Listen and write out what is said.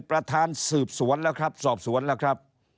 ประธานสอบสวนแล้วครับ